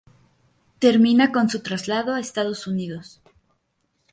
Termina con su traslado a Estados Unidos.